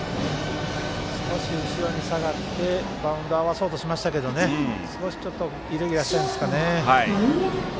少し後ろに下がってバウンドを合わせようとしましたが少しイレギュラーしたんですかね。